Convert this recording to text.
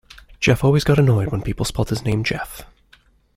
Geoff always got annoyed when people spelt his name Jeff.